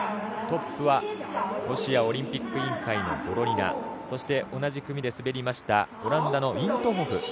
トップはロシアオリンピック委員会のボロニナそして同じ組で滑りましたオランダのイント・ホフ